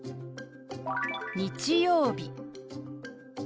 「日曜日」。